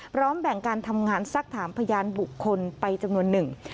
พร้อมแบ่งการทำงานสักถามพยานบุคคลไปจำนวนหนึ่ง